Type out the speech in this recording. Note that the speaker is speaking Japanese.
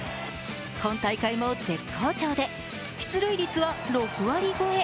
今大会も絶好調で、出塁率は６割超え。